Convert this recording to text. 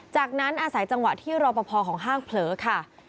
จากนั้นอาศัยจังหวะที่รอปภของห้างเผลอค่ะ